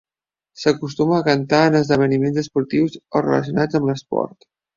S'acostuma a cantar en esdeveniments esportius o relacionats amb l'esport.